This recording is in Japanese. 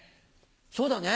そうだね。